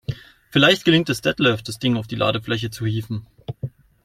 Vielleicht gelingt es Detlef, das Dings auf die Ladefläche zu hieven.